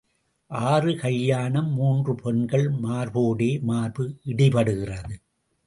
ஆறு கல்யாணம் மூன்று பெண்கள் மார்போடே மார்பு இடிபடுகிறது.